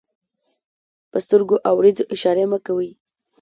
په سترګو او وريځو اشارې مه کوئ!